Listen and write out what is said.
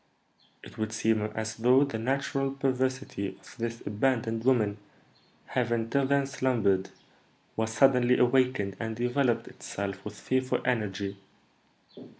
It would seem as though the natural perversity of this abandoned woman, having till then slumbered, was suddenly awakened, and developed itself with fearful energy.